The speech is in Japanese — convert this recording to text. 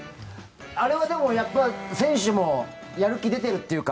あれはでも選手もやる気出てるというか